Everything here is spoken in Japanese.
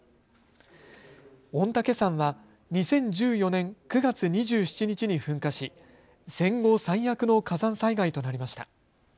御嶽山は２０１４年９月２７日に噴火し、戦後最悪の火山災害となりました。